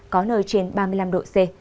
có nơi trên ba mươi năm độ c